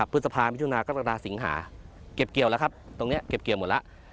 พฤษภามิถุนากรกฎาสิงหาเก็บเกี่ยวแล้วครับตรงนี้เก็บเกี่ยวหมดแล้ว